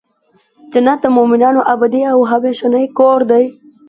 جنت د مؤمنانو ابدې او همیشنی کور دی .